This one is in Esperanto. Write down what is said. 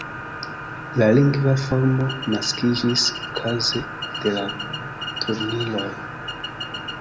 La lingva formo naskiĝis okaze de la turniroj.